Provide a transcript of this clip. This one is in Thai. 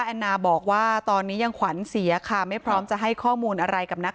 แอนนาบอกว่าตอนนี้ยังขวัญเสียค่ะไม่พร้อมจะให้ข้อมูลอะไรกับนัก